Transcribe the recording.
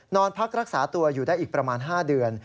นอนพักรักษาตัวอยู่ได้อีกประมาณ๕เดือน